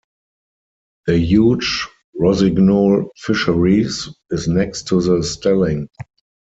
The huge Rosignol Fisheries is next to the stelling.